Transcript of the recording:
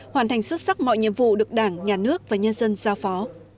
hoàn thành xuất sắc mọi nhiệm vụ được đảng nhà nước và nhân dân giao phó